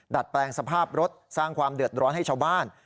ดัดแปลงสภาพรถสร้างความเดือดร้อนให้ชาวบ้าน